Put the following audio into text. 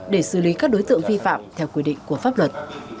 để xử lý các đối tượng vi phạm theo quy định của pháp luật